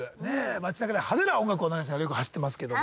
街中で派手な音楽を鳴らしてよく走ってますけど。